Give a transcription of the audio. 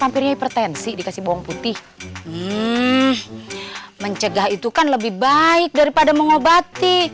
hampir hipertensi dikasih bawang putih mencegah itu kan lebih baik daripada mengobati